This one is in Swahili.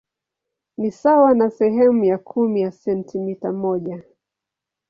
Ni sawa na sehemu ya kumi ya sentimita moja.